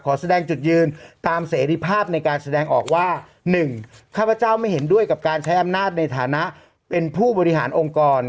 แสดงจุดยืนตามเสรีภาพในการแสดงออกว่า๑ข้าพเจ้าไม่เห็นด้วยกับการใช้อำนาจในฐานะเป็นผู้บริหารองค์กร